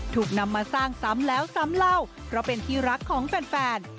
ถูกนำมาสร้างซ้ำแล้วซ้ำเล่าเพราะเป็นที่รักของแฟน